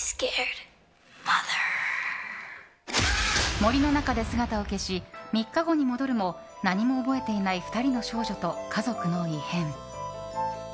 森の中で姿を消し３日後に戻るも何も覚えていない２人の少女と家族の異変。